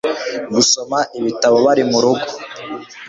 gusoma ibitabo bari murugo